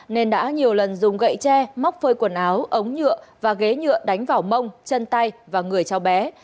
nên đã nhiều lần dùng gậy tre móc phơi quần áo ống nhựa và ghế nhựa đánh vào mông chân tay và người cháu bé